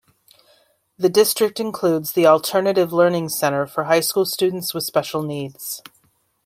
The district includes the Alternative Learning Center for high school students with special needs.